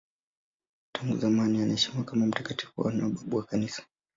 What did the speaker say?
Tangu zamani anaheshimiwa kama mtakatifu na babu wa Kanisa.